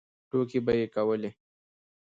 ټوکې به یې کولې.